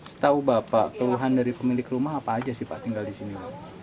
setahu bapak keluhan dari pemilik rumah apa aja sih pak tinggal di sini